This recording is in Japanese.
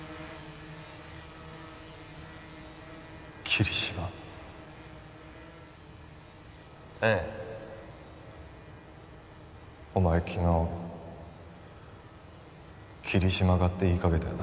桐島ええお前昨日「桐島が」って言いかけたよ